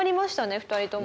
２人とも。